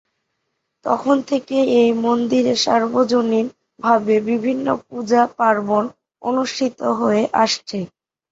তখন থেকেই এই মন্দিরে সার্বজনীন ভাবে বিভিন্ন পূজা-পার্বণ অনুষ্ঠিত হয়ে আসছে।